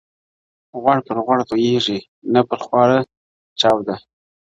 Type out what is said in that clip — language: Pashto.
غوړ پر غوړ توئېږي نه پر خواره چاوده.